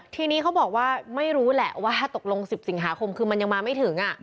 ทีนี้เขาบอกว่าไม่รู้แหละว่าตกลง๑๐สิงหาคมคือมันยังมาไม่ถึง